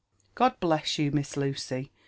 " God Mess you. Miss Lucy !"